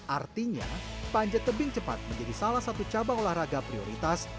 artinya panjat tebing cepat menjadi salah satu cabang olahraga prioritas